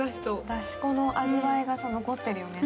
だし粉の味わいが残ってるよね。